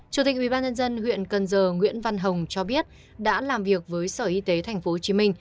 chủ tịch ủy ban nhân dân huyện cần giờ nguyễn văn hồng cho biết đã làm việc với sở y tế tp hcm